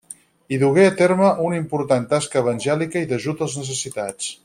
Hi dugué a terme una important tasca evangèlica i d'ajut als necessitats.